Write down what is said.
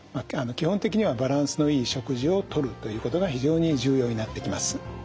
基本的にはバランスのいい食事をとるということが非常に重要になってきます。